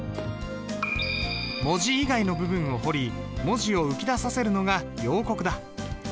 文字以外の部分を彫り文字を浮き出させるのが陽刻だ。